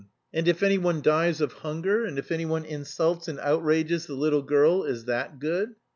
"And if anyone dies of hunger, and if anyone insults and outrages the little girl, is that good?"